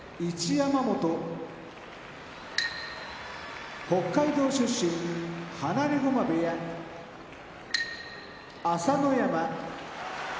山本北海道出身放駒部屋朝乃山